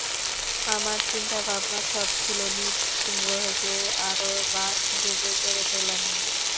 আমার চিন্তা-ভাবনা সব ছিল নিজ গ্রহকে আরো বাসযোগ্য করে তোলা নিয়ে।